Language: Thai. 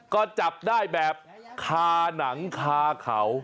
ก็จับได้แบบคาหนังคาเขา